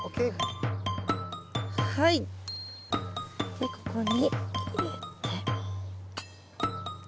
でここに入れて。